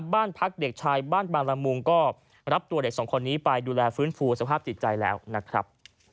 บ้านพักเด็กชายบ้านบางละมุงก็รับตัวเด็กสองคนนี้ไปดูแลฟื้นฟูสภาพจิตใจแล้วนะครับ